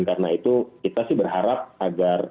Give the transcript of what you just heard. karena itu kita berharap agar